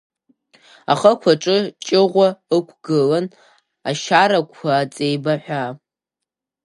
Ахықә аҿы Ҷыӷәа ықәгылан, ашьарақәа аҵеибаҳәа.